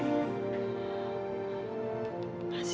saya sudah berhenti